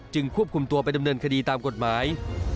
ควบคุมตัวไปดำเนินคดีตามกฎหมาย